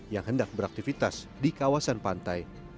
yang hendak beraktivitas di kawasan pantai